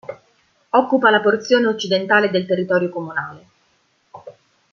Occupa la porzione occidentale del territorio comunale.